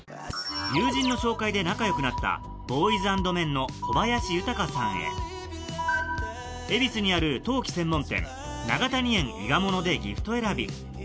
友人の紹介で仲良くなったＢＯＹＳＡＮＤＭＥＮの小林豊さんへ恵比寿にある陶器専門店長谷園ｉｇａｍｏｎｏでギフト選び